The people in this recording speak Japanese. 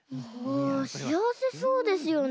しあわせそうですよね。